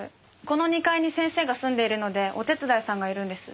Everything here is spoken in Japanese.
この２階に先生が住んでいるのでお手伝いさんがいるんです。